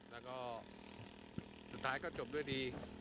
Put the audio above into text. แล้วก็สุดท้ายก็จบด้วยดี